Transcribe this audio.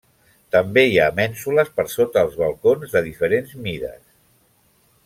També hi ha mènsules per sota els balcons, de diferents mides.